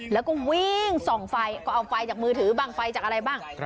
แล้วก็วิ่งส่องไฟก็เอาไฟจากมือถือบ้างไฟจากอะไรบ้าง